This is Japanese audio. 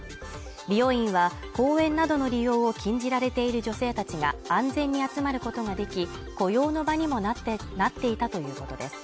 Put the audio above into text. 美容院は公園などの利用を禁じられている女性たちが安全に集まることができ、雇用の場にもなってなっていたということです